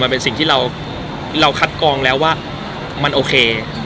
มันเป็นสิ่งที่เราคัดกองแล้วว่ามันโอเค